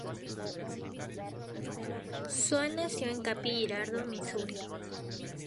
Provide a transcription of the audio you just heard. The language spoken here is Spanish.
Swan nació en Cape Girardeau, Missouri.